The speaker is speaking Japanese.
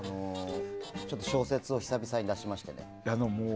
ちょっと小説を久々に出しましてね。